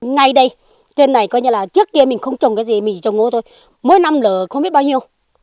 ngay đây trên này coi như là trước kia mình không trồng cái gì mình trồng ngô thôi mỗi năm là không biết bao nhiêu